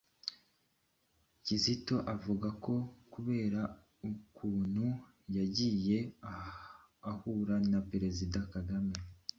Kizito avuga ko kubera ukuntu yagiye ahura na Perezida Kagame